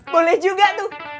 boleh juga tuh